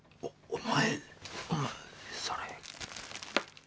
お前それ。